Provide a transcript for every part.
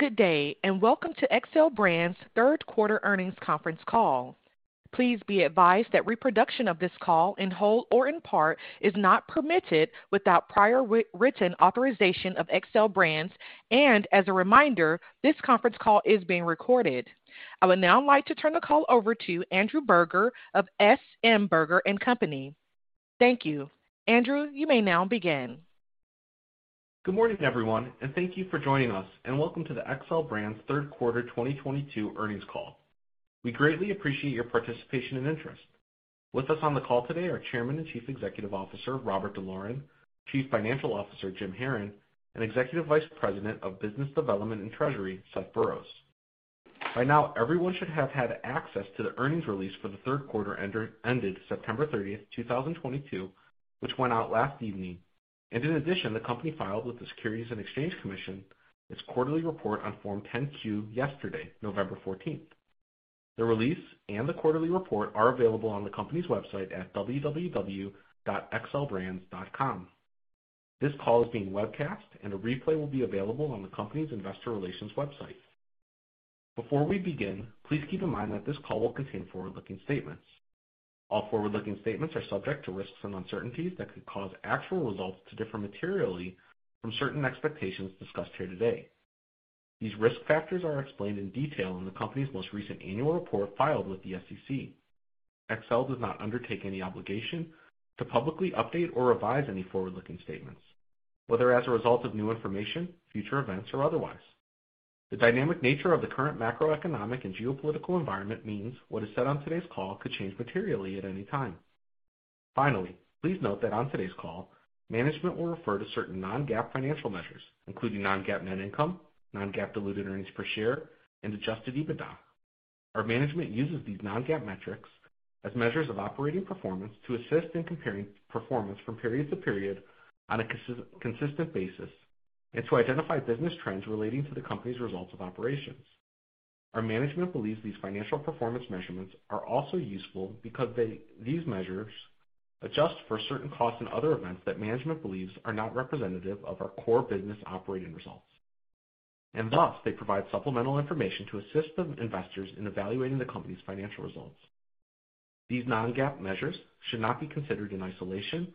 Good day, and welcome to Xcel Brands third quarter earnings conference call. Please be advised that reproduction of this call, in whole or in part, is not permitted without prior written authorization of Xcel Brands. As a reminder, this conference call is being recorded. I would now like to turn the call over to Andrew Berger of SM Berger & Company. Thank you. Andrew, you may now begin. Good morning, everyone, and thank you for joining us, and welcome to the Xcel Brands third quarter 2022 earnings call. We greatly appreciate your participation and interest. With us on the call today are Chairman and Chief Executive Officer Robert D'Loren, Chief Financial Officer James Haran, and Executive Vice President of Business Development and Treasury Seth Burroughs. By now, everyone should have had access to the earnings release for the third quarter ended September 30, 2022, which went out last evening. In addition, the company filed with the Securities and Exchange Commission its quarterly report on Form 10-Q yesterday, November 14. The release and the quarterly report are available on the company's website at www.xcelbrands.com. This call is being webcast, and a replay will be available on the company's investor relations website. Before we begin, please keep in mind that this call will contain forward-looking statements. All forward-looking statements are subject to risks and uncertainties that could cause actual results to differ materially from certain expectations discussed here today. These risk factors are explained in detail in the company's most recent annual report filed with the SEC. Xcel does not undertake any obligation to publicly update or revise any forward-looking statements, whether as a result of new information, future events, or otherwise. The dynamic nature of the current macroeconomic and geopolitical environment means what is said on today's call could change materially at any time. Finally, please note that on today's call, management will refer to certain non-GAAP financial measures, including non-GAAP net income, non-GAAP diluted earnings per share, and adjusted EBITDA. Our management uses these non-GAAP metrics as measures of operating performance to assist in comparing performance from period to period on a consistent basis and to identify business trends relating to the company's results of operations. Our management believes these financial performance measurements are also useful because these measures adjust for certain costs and other events that management believes are not representative of our core business operating results. Thus, they provide supplemental information to assist the investors in evaluating the company's financial results. These non-GAAP measures should not be considered in isolation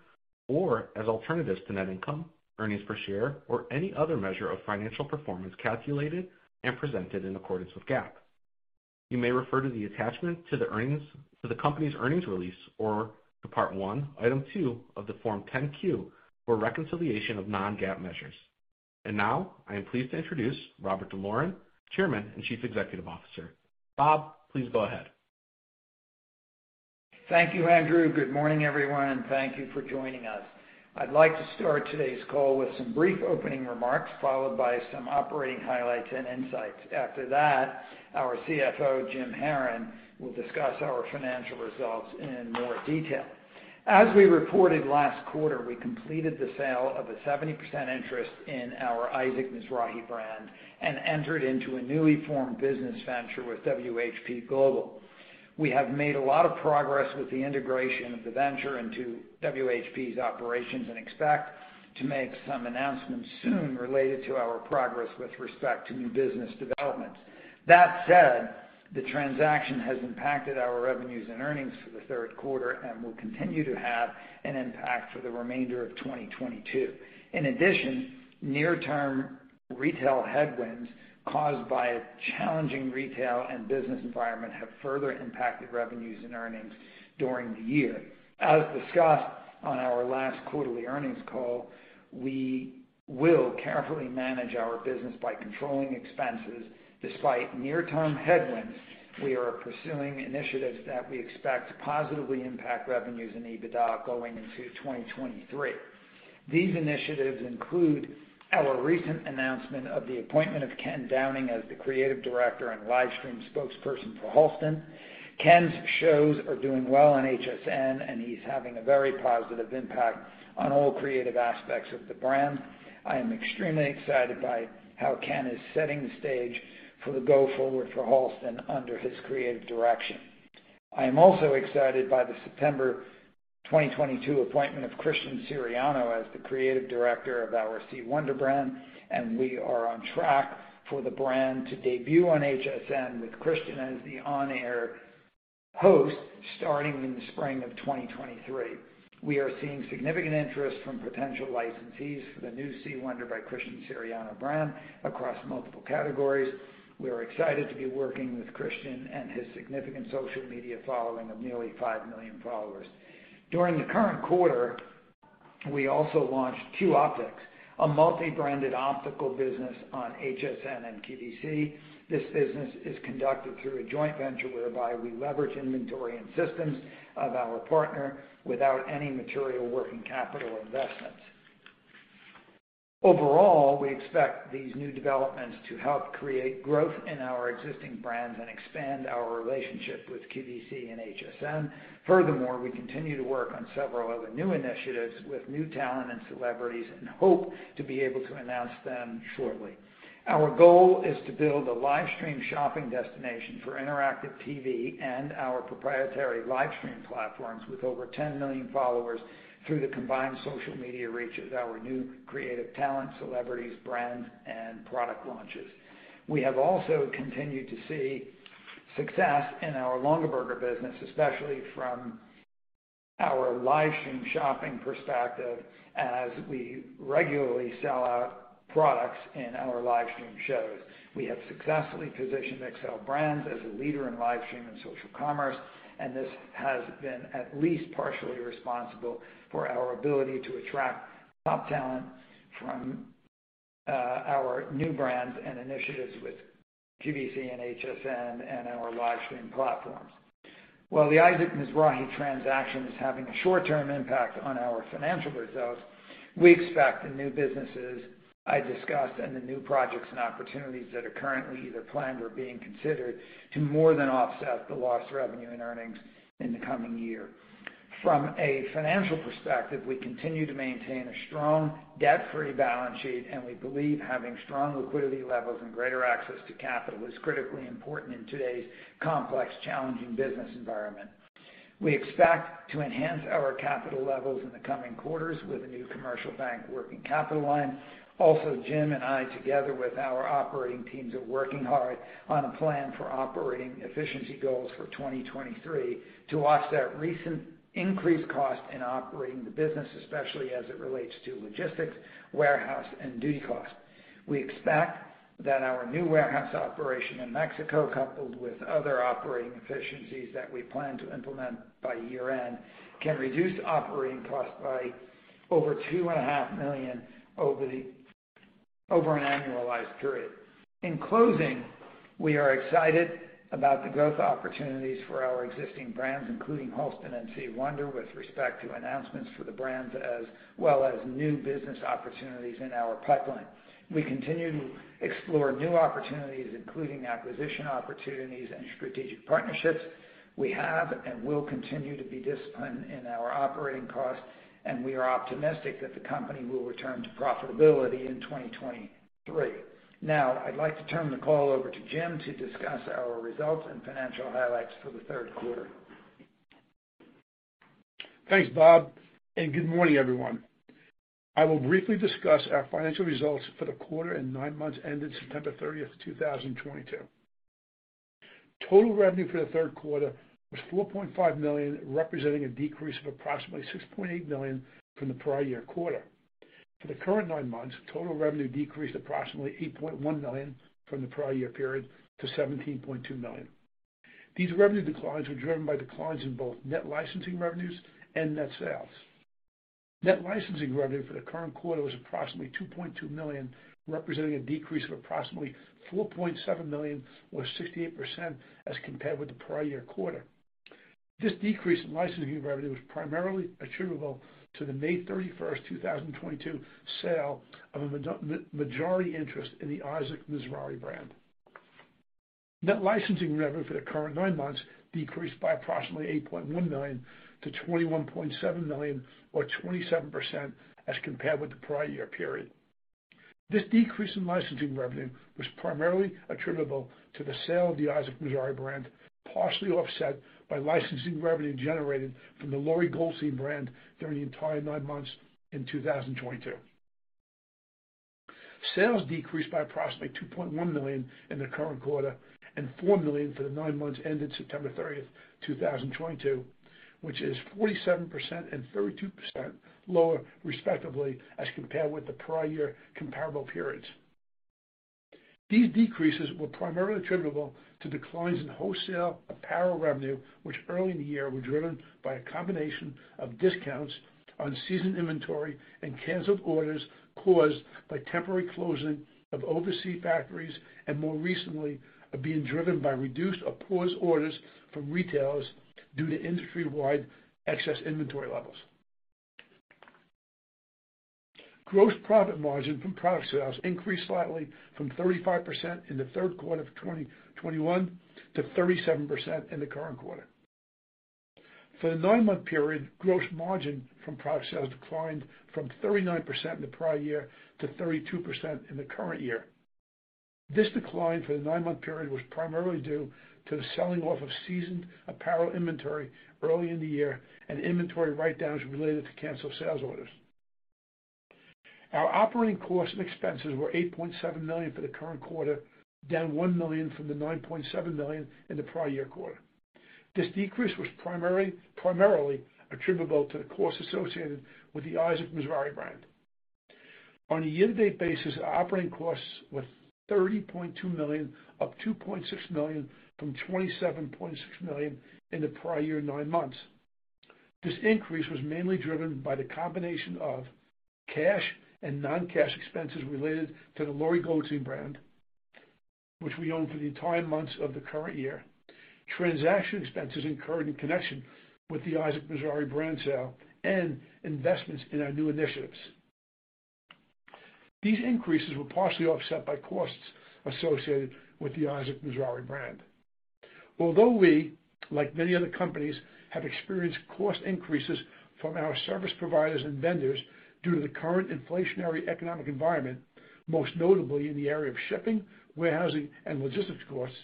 or as alternatives to net income, earnings per share, or any other measure of financial performance calculated and presented in accordance with GAAP. You may refer to the attachment to the company's earnings release or to part one, item two of the Form 10-Q for a reconciliation of non-GAAP measures. Now, I am pleased to introduce Robert D'Loren, Chairman and Chief Executive Officer. Bob, please go ahead. Thank you, Andrew. Good morning, everyone, and thank you for joining us. I'd like to start today's call with some brief opening remarks, followed by some operating highlights and insights. After that, our CFO, James Haran, will discuss our financial results in more detail. As we reported last quarter, we completed the sale of a 70% interest in our Isaac Mizrahi brand and entered into a newly formed business venture with WHP Global. We have made a lot of progress with the integration of the venture into WHP's operations and expect to make some announcements soon related to our progress with respect to new business developments. That said, the transaction has impacted our revenues and earnings for the third quarter and will continue to have an impact for the remainder of 2022. In addition, near-term retail headwinds caused by a challenging retail and business environment have further impacted revenues and earnings during the year. As discussed on our last quarterly earnings call, we will carefully manage our business by controlling expenses. Despite near-term headwinds, we are pursuing initiatives that we expect to positively impact revenues and EBITDA going into 2023. These initiatives include our recent announcement of the appointment of Ken Downing as the creative director and live stream spokesperson for Halston. Ken's shows are doing well on HSN, and he's having a very positive impact on all creative aspects of the brand. I am extremely excited by how Ken is setting the stage for the go-forward for Halston under his creative direction. I am also excited by the September 2022 appointment of Christian Siriano as the creative director of our C. Wonder brand, and we are on track for the brand to debut on HSN with Christian as the on-air host starting in the spring of 2023. We are seeing significant interest from potential licensees for the new C. Wonder by Christian Siriano brand across multiple categories. We are excited to be working with Christian and his significant social media following of nearly 5 million followers. During the current quarter, we also launched Q Optics, a multi-branded optical business on HSN and QVC. This business is conducted through a joint venture whereby we leverage inventory and systems of our partner without any material working capital investments. Overall, we expect these new developments to help create growth in our existing brands and expand our relationship with QVC and HSN. Furthermore, we continue to work on several other new initiatives with new talent and celebrities and hope to be able to announce them shortly. Our goal is to build a live stream shopping destination for interactive TV and our proprietary live stream platforms with over 10 million followers through the combined social media reach of our new creative talent, celebrities, brands, and product launches. We have also continued to see success in our Longaberger business, especially from our live stream shopping perspective as we regularly sell our products in our live stream shows. We have successfully positioned Xcel Brands as a leader in live stream and social commerce, and this has been at least partially responsible for our ability to attract top talent from our new brands and initiatives with QVC and HSN and our live stream platforms. While the Isaac Mizrahi transaction is having a short-term impact on our financial results, we expect the new businesses I discussed and the new projects and opportunities that are currently either planned or being considered to more than offset the lost revenue and earnings in the coming year. From a financial perspective, we continue to maintain a strong debt-free balance sheet, and we believe having strong liquidity levels and greater access to capital is critically important in today's complex, challenging business environment. We expect to enhance our capital levels in the coming quarters with a new commercial bank working capital line. Also, Jim and I, together with our operating teams, are working hard on a plan for operating efficiency goals for 2023 to offset recent increased cost in operating the business, especially as it relates to logistics, warehouse, and duty costs. We expect that our new warehouse operation in Mexico, coupled with other operating efficiencies that we plan to implement by year-end, can reduce operating costs by over $2.5 million over an annualized period. In closing, we are excited about the growth opportunities for our existing brands, including Halston and C. Wonder, with respect to announcements for the brands, as well as new business opportunities in our pipeline. We continue to explore new opportunities, including acquisition opportunities and strategic partnerships. We have and will continue to be disciplined in our operating costs, and we are optimistic that the company will return to profitability in 2023. Now, I'd like to turn the call over to Jim to discuss our results and financial highlights for the third quarter. Thanks, Bob, and good morning, everyone. I will briefly discuss our financial results for the quarter and nine months ended September 30, 2022. Total revenue for the third quarter was $4.5 million, representing a decrease of approximately $6.8 million from the prior year quarter. For the current nine months, total revenue decreased approximately $8.1 million from the prior year period to $17.2 million. These revenue declines were driven by declines in both net licensing revenues and net sales. Net licensing revenue for the current quarter was approximately $2.2 million, representing a decrease of approximately $4.7 million or 68% as compared with the prior year quarter. This decrease in licensing revenue was primarily attributable to the May 31, 2022 sale of a majority interest in the Isaac Mizrahi brand. Net licensing revenue for the current nine months decreased by approximately $8.1 million to $21.7 million or 27% as compared with the prior year period. This decrease in licensing revenue was primarily attributable to the sale of the Isaac Mizrahi brand, partially offset by licensing revenue generated from the Lori Goldstein brand during the entire nine months in 2022. Sales decreased by approximately $2.1 million in the current quarter and $4 million for the nine months ended September 30th, 2022, which is 47% and 32% lower, respectively, as compared with the prior year comparable periods. These decreases were primarily attributable to declines in wholesale apparel revenue, which early in the year were driven by a combination of discounts on seasoned inventory and canceled orders caused by temporary closing of overseas factories, and more recently are being driven by reduced or paused orders from retailers due to industry-wide excess inventory levels. Gross profit margin from product sales increased slightly from 35% in the third quarter of 2021 to 37% in the current quarter. For the nine-month period, gross margin from product sales declined from 39% in the prior year to 32% in the current year. This decline for the nine-month period was primarily due to the selling off of seasoned apparel inventory early in the year and inventory write-downs related to canceled sales orders. Our operating costs and expenses were $8.7 million for the current quarter, down $1 million from the $9.7 million in the prior year quarter. This decrease was primarily attributable to the costs associated with the Isaac Mizrahi brand. On a year-to-date basis, our operating costs were $30.2 million, up $2.6 million from $27.6 million in the prior year nine months. This increase was mainly driven by the combination of cash and non-cash expenses related to the Lori Goldstein brand, which we own for the entire months of the current year. Transaction expenses incurred in connection with the Isaac Mizrahi brand sale and investments in our new initiatives. These increases were partially offset by costs associated with the Isaac Mizrahi brand. Although we, like many other companies, have experienced cost increases from our service providers and vendors due to the current inflationary economic environment, most notably in the area of shipping, warehousing, and logistics costs,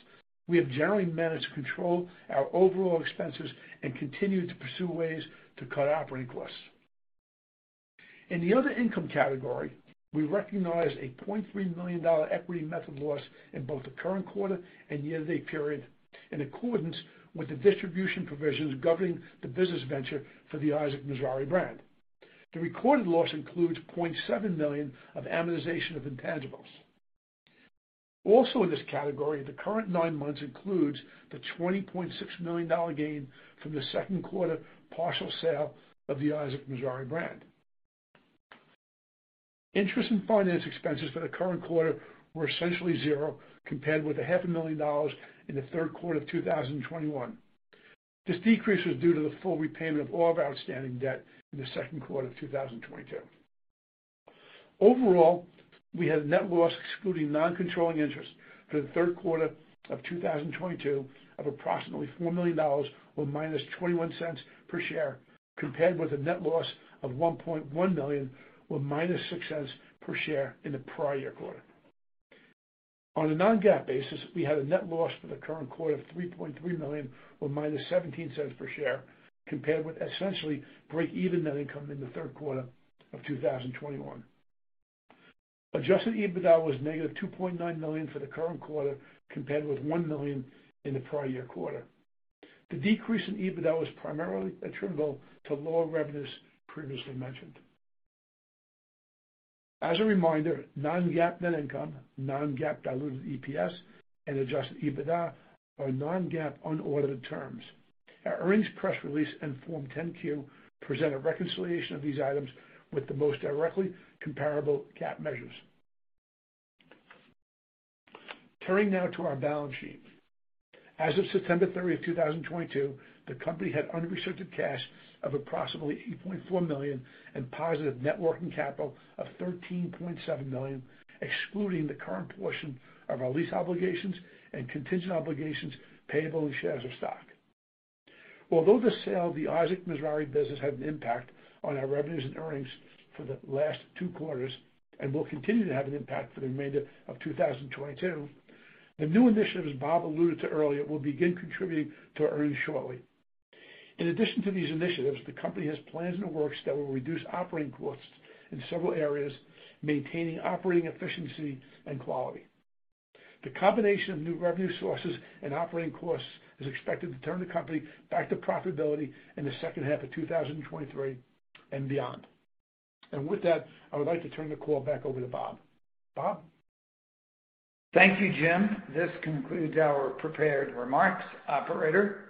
we have generally managed to control our overall expenses and continue to pursue ways to cut operating costs. In the other income category, we recognized a $0.3 million equity method loss in both the current quarter and year-to-date period, in accordance with the distribution provisions governing the business venture for the Isaac Mizrahi brand. The recorded loss includes $0.7 million of amortization of intangibles. Also, in this category, the current nine months includes the $20.6 million gain from the second quarter partial sale of the Isaac Mizrahi brand. Interest and finance expenses for the current quarter were essentially zero compared with the $ half a million in the third quarter of 2021. This decrease was due to the full repayment of all of our outstanding debt in the second quarter of 2022. Overall, we had a net loss excluding non-controlling interest for the third quarter of 2022 of approximately $4 million or -$0.21 per share, compared with a net loss of $1.1 million or -$0.06 per share in the prior year quarter. On a non-GAAP basis, we had a net loss for the current quarter of $3.3 million or -$0.17 per share, compared with essentially breakeven net income in the third quarter of 2021. Adjusted EBITDA was -$2.9 million for the current quarter, compared with $1 million in the prior year quarter. The decrease in EBITDA was primarily attributable to lower revenues previously mentioned. As a reminder, non-GAAP net income, non-GAAP diluted EPS, and adjusted EBITDA are non-GAAP unaudited terms. Our earnings press release and Form 10-Q present a reconciliation of these items with the most directly comparable GAAP measures. Turning now to our balance sheet. As of September 30, 2022, the company had unrestricted cash of approximately $8.4 million and positive net working capital of $13.7 million, excluding the current portion of our lease obligations and contingent obligations payable in shares of stock. Although the sale of the Isaac Mizrahi business had an impact on our revenues and earnings for the last 2 quarters and will continue to have an impact for the remainder of 2022, the new initiatives Bob alluded to earlier will begin contributing to earnings shortly. In addition to these initiatives, the company has plans in the works that will reduce operating costs in several areas, maintaining operating efficiency and quality. The combination of new revenue sources and operating costs is expected to turn the company back to profitability in the second half of 2023 and beyond. With that, I would like to turn the call back over to Bob. Bob? Thank you, Jim. This concludes our prepared remarks. Operator?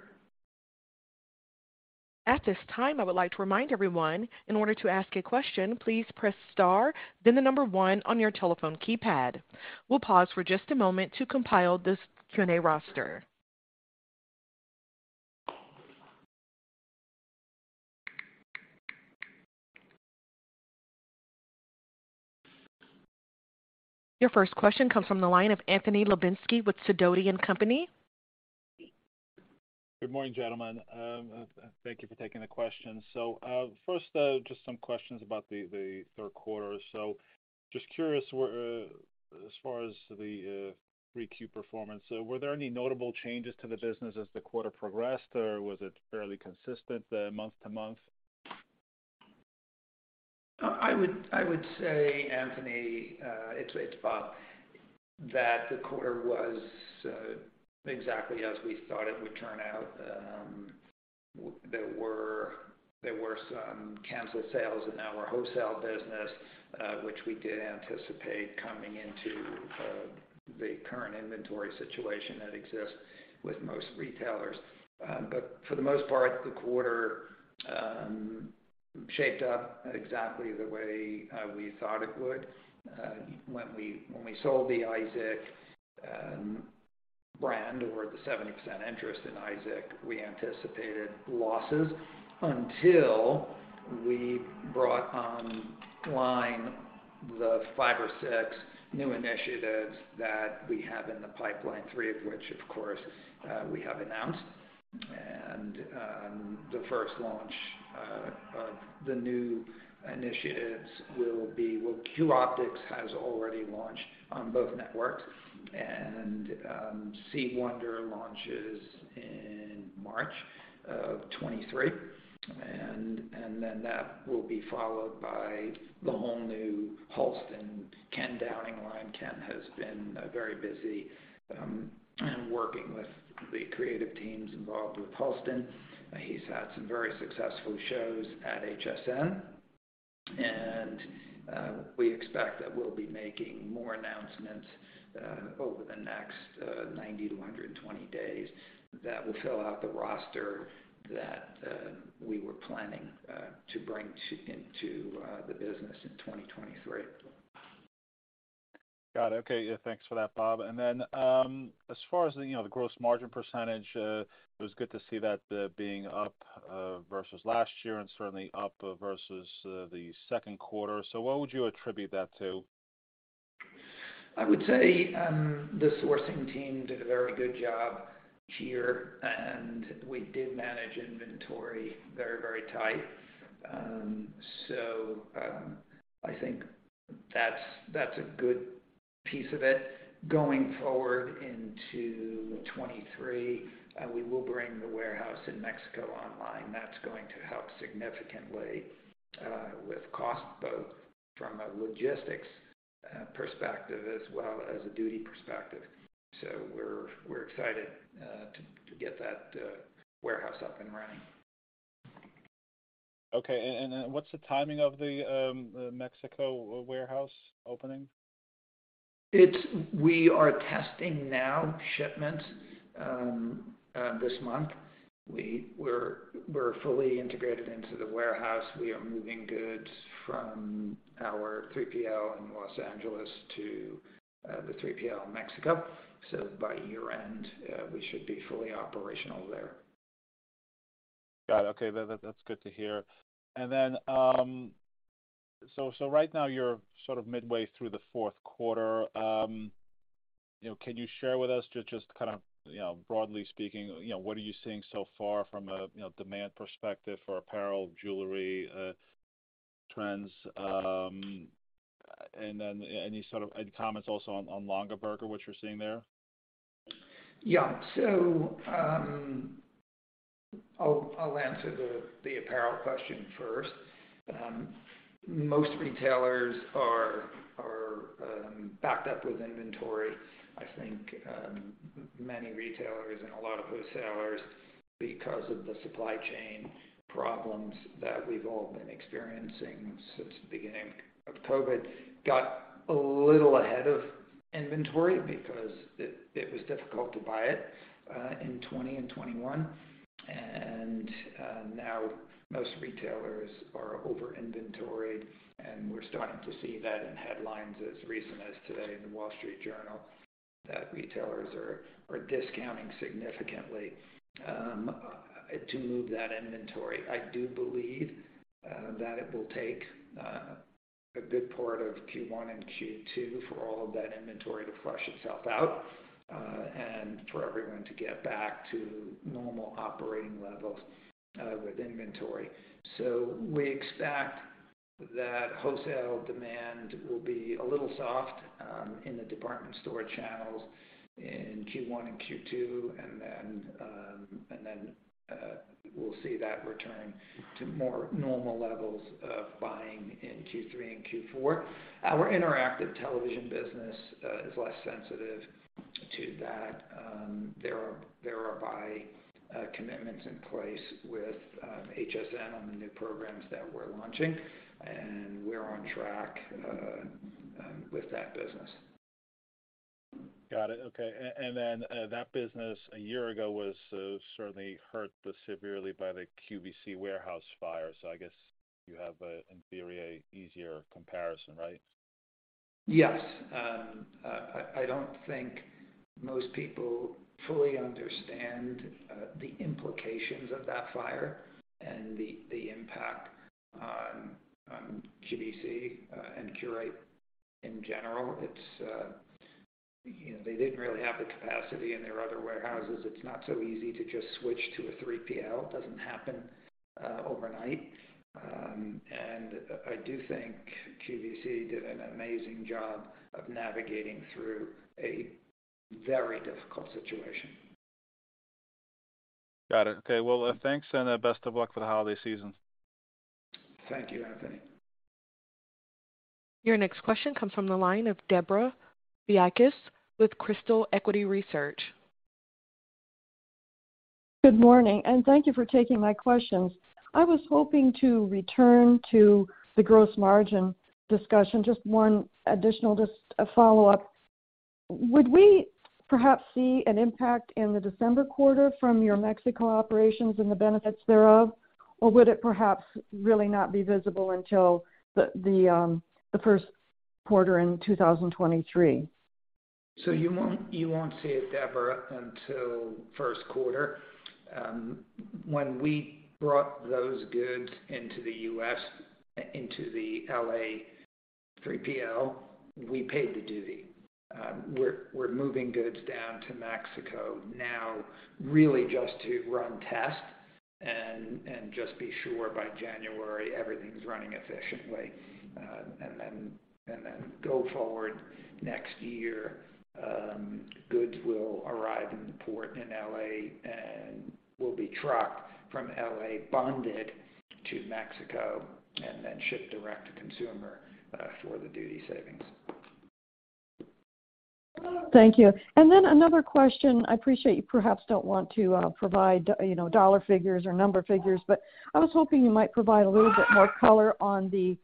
At this time, I would like to remind everyone, in order to ask a question, please press star then the number one on your telephone keypad. We'll pause for just a moment to compile this Q&A roster. Your first question comes from the line of Anthony Lebiedzinski with Sidoti & Company. Good morning, gentlemen. Thank you for taking the question. First, just some questions about the third quarter. Just curious where, as far as the 3Q performance, were there any notable changes to the business as the quarter progressed, or was it fairly consistent month to month? I would say, Anthony, it's Bob, that the quarter was exactly as we thought it would turn out. There were some canceled sales in our wholesale business, which we did anticipate coming into the current inventory situation that exists with most retailers. For the most part, the quarter shaped up exactly the way we thought it would. When we sold the Isaac Mizrahi brand or the 70% interest in Isaac Mizrahi, we anticipated losses until we brought online the five or six new initiatives that we have in the pipeline, three of which, of course, we have announced. The first launch of the new initiatives will be Q Optics, which has already launched on both networks. C. Wonder launches in March 2023. That will be followed by the whole new Halston, Ken Downing line. Ken has been very busy working with the creative teams involved with Halston. He's had some very successful shows at HSN. We expect that we'll be making more announcements over the next 90-120 days that will fill out the roster that we were planning to bring into the business in 2023. Got it. Okay. Yeah, thanks for that, Bob. As far as the, you know, the gross margin percentage, it was good to see that being up versus last year and certainly up versus the second quarter. What would you attribute that to? I would say, the sourcing team did a very good job here, and we did manage inventory very, very tight. I think that's a good piece of it. Going forward into 2023, we will bring the warehouse in Mexico online. That's going to help significantly with cost, both from a logistics perspective as well as a duty perspective. We're excited to get that warehouse up and running. Okay. What's the timing of the Mexico warehouse opening? We are testing new shipments this month. We're fully integrated into the warehouse. We are moving goods from our 3PL in Los Angeles to the 3PL in Mexico. By year-end, we should be fully operational there. Got it. Okay. That's good to hear. Right now you're sort of midway through the fourth quarter. You know, can you share with us just kind of, you know, broadly speaking, you know, what are you seeing so far from a, you know, demand perspective for apparel, jewelry, trends? Any sort of comments also on Longaberger, what you're seeing there? Yeah. I'll answer the apparel question first. Most retailers are backed up with inventory. I think many retailers and a lot of wholesalers, because of the supply chain problems that we've all been experiencing since the beginning of COVID, got a little ahead of inventory because it was difficult to buy it in 2020 and 2021. Now most retailers are over-inventoried, and we're starting to see that in headlines as recent as today in The Wall Street Journal, that retailers are discounting significantly to move that inventory. I do believe that it will take a good part of Q1 and Q2 for all of that inventory to flush itself out and for everyone to get back to normal operating levels with inventory. We expect that wholesale demand will be a little soft in the department store channels in Q1 and Q2, and then we'll see that return to more normal levels of buying in Q3 and Q4. Our interactive television business is less sensitive to that. There are buy commitments in place with HSN on the new programs that we're launching, and we're on track with that business. Got it. Okay. Then that business a year ago was certainly hurt severely by the QVC warehouse fire. I guess you have, in theory, an easier comparison, right? Yes. I don't think most people fully understand the implications of that fire and the impact on QVC and Qurate in general. They didn't really have the capacity in their other warehouses. It's not so easy to just switch to a 3PL. It doesn't happen overnight. I do think QVC did an amazing job of navigating through a very difficult situation. Got it. Okay. Well, thanks, and best of luck for the holiday season. Thank you, Anthony. Your next question comes from the line of Debra Fiakas with Crystal Equity Research. Good morning, and thank you for taking my questions. I was hoping to return to the gross margin discussion. Just one additional, just a follow-up. Would we perhaps see an impact in the December quarter from your Mexico operations and the benefits thereof, or would it perhaps really not be visible until the first quarter in 2023? You won't see it, Debra, until first quarter. When we brought those goods into the U.S., into the L.A. 3PL, we paid the duty. We're moving goods down to Mexico now, really just to run tests and just be sure by January everything's running efficiently. Go forward next year, goods will arrive in the port in L.A. and will be trucked from L.A., bonded to Mexico, and then shipped direct to consumer, for the duty savings. Thank you. Another question. I appreciate you perhaps don't want to provide, you know, dollar figures or numerical figures, but I was hoping you might provide a little bit more color on the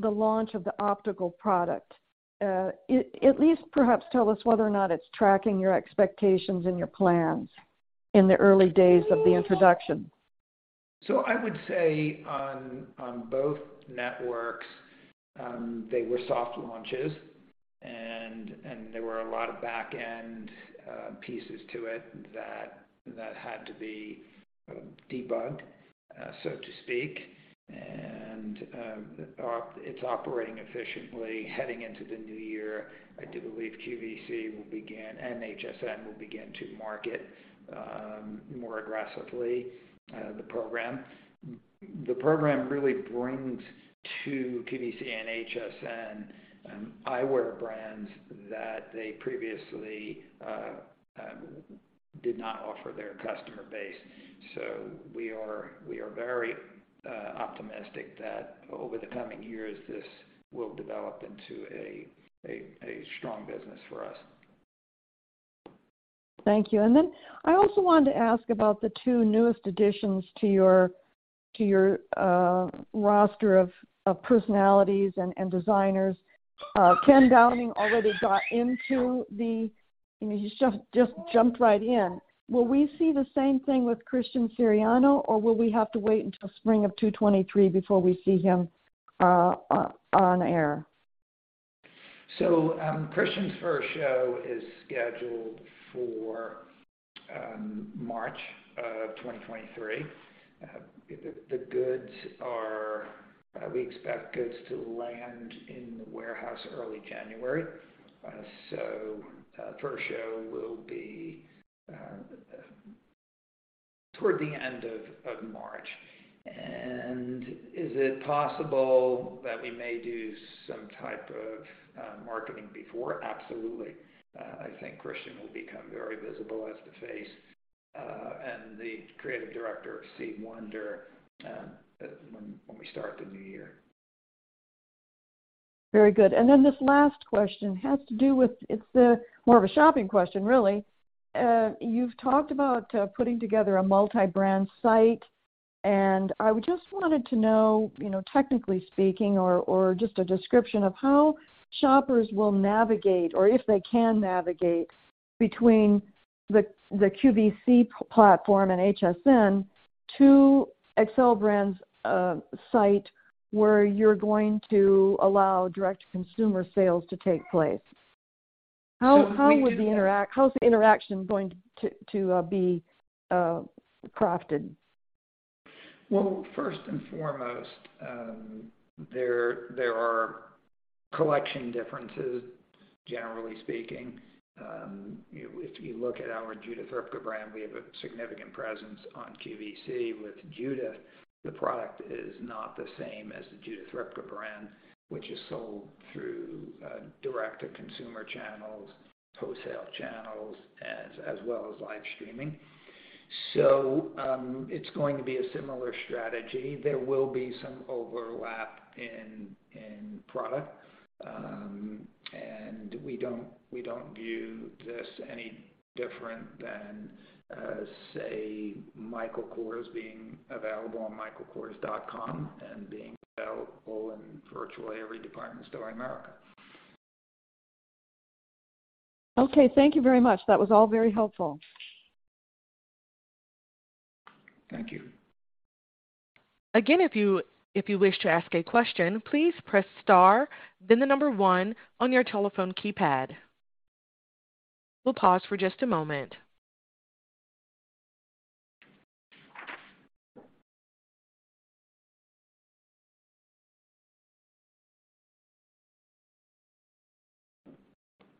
launch of the optical product. At least perhaps tell us whether or not it's tracking your expectations and your plans in the early days of the introduction. I would say on both networks, they were soft launches and there were a lot of back-end pieces to it that had to be debugged, so to speak. It's operating efficiently heading into the new year. I do believe QVC will begin, and HSN will begin to market more aggressively the program. The program really brings to QVC and HSN eyewear brands that they previously did not offer their customer base. We are very optimistic that over the coming years, this will develop into a strong business for us. Thank you. I also wanted to ask about the two newest additions to your roster of personalities and designers. I mean, he's just jumped right in. Will we see the same thing with Christian Siriano, or will we have to wait until spring of 2023 before we see him on air? Christian's first show is scheduled for March of 2023. We expect goods to land in the warehouse early January. First show will be toward the end of March. Is it possible that we may do some type of marketing before? Absolutely. I think Christian will become very visible as the face and the creative director of C. Wonder when we start the new year. Very good. This last question has to do with. It's more of a shopping question, really. You've talked about putting together a multi-brand site, and I just wanted to know, you know, technically speaking, or just a description of how shoppers will navigate or if they can navigate between the QVC platform and HSN to Xcel Brands' site where you're going to allow direct-to-consumer sales to take place. How would they interact? How's the interaction going to be crafted? Well, first and foremost, there are collection differences, generally speaking. You know, if you look at our Judith Ripka brand, we have a significant presence on QVC. With Judith, the product is not the same as the Judith Ripka brand, which is sold through direct-to-consumer channels, wholesale channels, as well as live streaming. It's going to be a similar strategy. There will be some overlap in product. We don't view this any different than say, Michael Kors being available on michaelkors.com and being available in virtually every department store in America. Okay. Thank you very much. That was all very helpful. Thank you. Again, if you wish to ask a question, please press star then the number one on your telephone keypad. We'll pause for just a moment.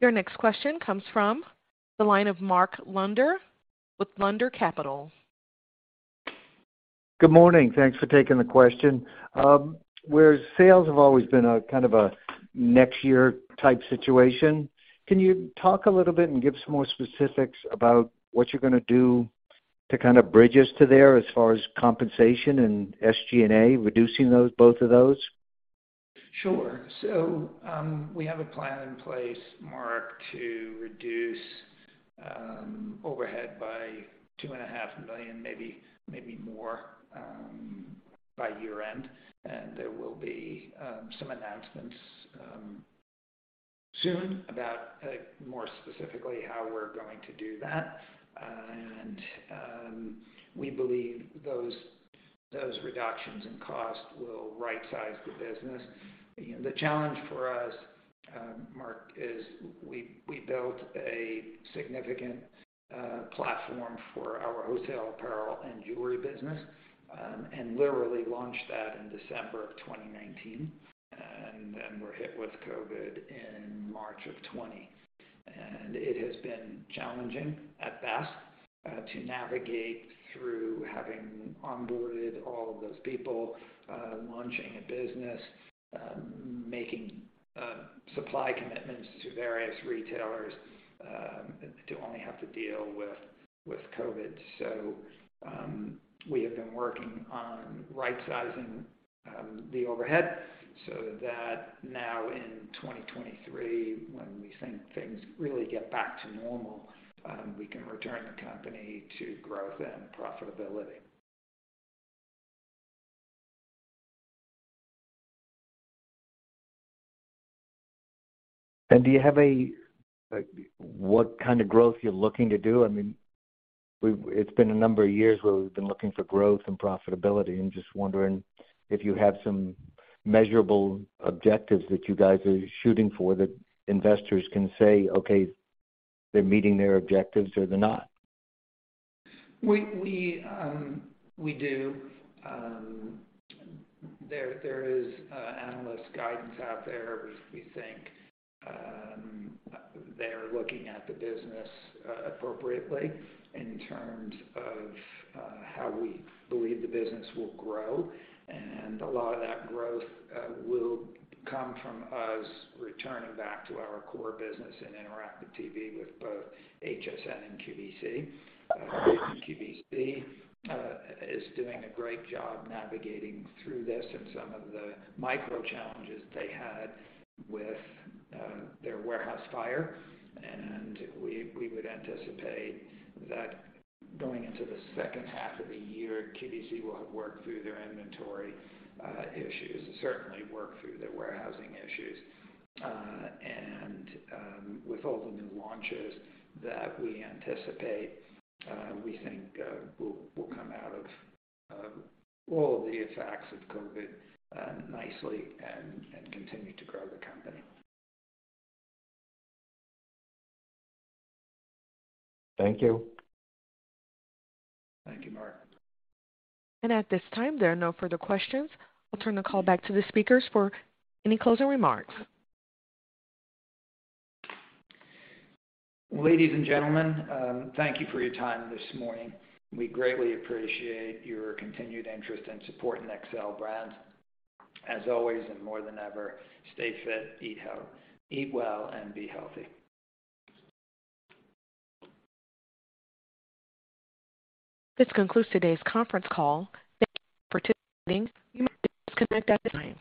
Your next question comes from the line of Marc Lunder with Lunder Capital. Good morning. Thanks for taking the question. Where sales have always been a kind of a next year type situation, can you talk a little bit and give some more specifics about what you're gonna do to kind of bridge us to there as far as compensation and SG&A, reducing those, both of those? Sure. We have a plan in place, Marc, to reduce overhead by $2.5 million, maybe more, by year-end. There will be some announcements soon about more specifically how we're going to do that. We believe those reductions in cost will right size the business. You know, the challenge for us, Marc, is we built a significant platform for our wholesale apparel and jewelry business and literally launched that in December of 2019. Then we were hit with COVID in March of 2020. It has been challenging, at best, to navigate through having onboarded all of those people, launching a business, making supply commitments to various retailers to only have to deal with COVID. We have been working on right-sizing the overhead so that now in 2023, when we think things really get back to normal, we can return the company to growth and profitability. What kind of growth you're looking to do? I mean, we've. It's been a number of years where we've been looking for growth and profitability. I'm just wondering if you have some measurable objectives that you guys are shooting for that investors can say, "Okay, they're meeting their objectives or they're not. We do. There is analyst guidance out there. We think they're looking at the business appropriately in terms of how we believe the business will grow. A lot of that growth will come from us returning back to our core business and interactive TV with both HSN and QVC. QVC is doing a great job navigating through this and some of the micro challenges they had with their warehouse fire. We would anticipate that going into the second half of the year, QVC will have worked through their inventory issues, and certainly work through their warehousing issues. With all the new launches that we anticipate, we think we'll come out of all the effects of COVID nicely and continue to grow the company. Thank you. Thank you, Marc. At this time, there are no further questions. I'll turn the call back to the speakers for any closing remarks. Ladies and gentlemen, thank you for your time this morning. We greatly appreciate your continued interest and support in Xcel Brands. As always and more than ever, stay fit, eat well and be healthy. This concludes today's conference call. Thank you for participating. You may disconnect at this time.